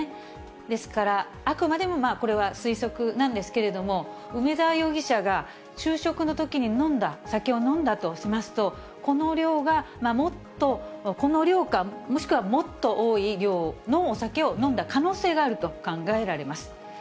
ですから、あくまでもこれは推測なんですけれども、梅沢容疑者が昼食のときに飲んだ、酒を飲んだとしますと、この量か、もしくはもっと多い量のお酒を飲んだ可能性があると考えられます。